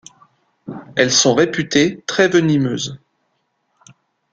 Elles sont réputées très venimeuses.